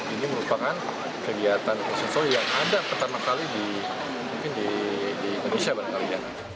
ini merupakan kegiatan fashion show yang ada pertama kali di indonesia